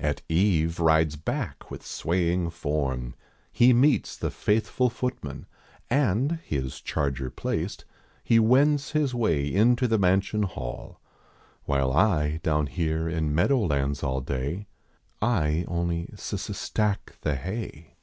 At eve rides hack with swaying form ; he meets The faithful footman and, his charger placed, lie wends his way into the mansion hall. While I, down here in meadow lands all day, I only s s stack the hay.